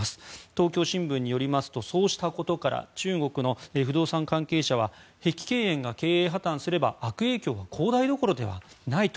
東京新聞によりますとそうしたことから中国の不動産関係者は碧桂園が経営破綻すれば悪影響は恒大どころではないと。